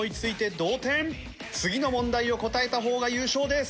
次の問題を答えた方が優勝です。